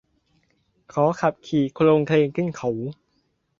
เขาขับขี่โคลงเคลงขึ้นเขา